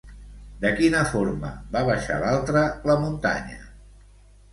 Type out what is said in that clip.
De quina forma va baixar l'altre la muntanya?